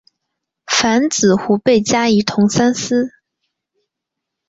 樊子鹄被加仪同三司。